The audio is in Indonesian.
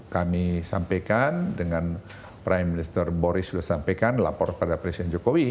kami sampaikan dengan prime minister boris sudah sampaikan lapor pada presiden jokowi